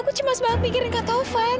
aku cemas banget mikirin kak taufan